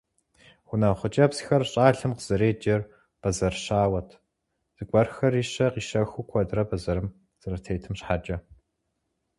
Гъунэгъу хъыджэбзхэр щӀалэм къызэреджэр бэзэр щауэт, зыгуэрхэр ищэ-къищэхуу куэдрэ бэзэрым зэрытетым щхьэкӀэ.